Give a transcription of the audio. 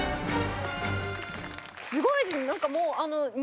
すごいです。